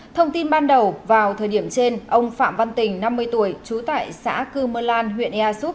thông tin ban đầu vào thời điểm trên ông phạm văn tình năm mươi tuổi trú tại xã cư mơ lan huyện ea súp